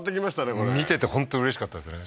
これ見てて本当うれしかったですね